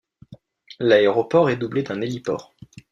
L'aéroport est doublé d'un héliport.